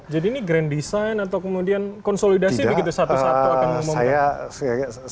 jadi ini grand design atau kemudian konsolidasi begitu satu satu